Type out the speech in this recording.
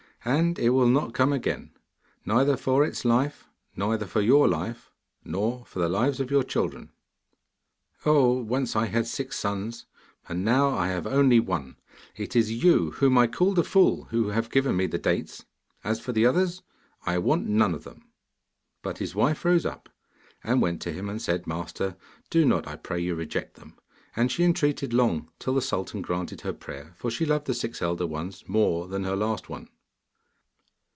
And it will not come again, neither for its life, nor for your life, nor for the lives of your children.' 'Oh, once I had six sons, and now I have only one. It is you, whom I called a fool, who have given me the dates: as for the others, I want none of them.' But his wife rose up and went to him, and said, 'Master, do not, I pray you, reject them,' and she entreated long, till the sultan granted her prayer, for she loved the six elder ones more than her last one.